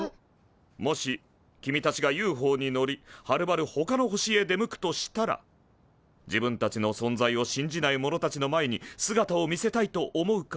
もし君たちがＵＦＯに乗りはるばるほかの星へ出向くとしたら自分たちの存在を信じない者たちの前に姿を見せたいと思うかい？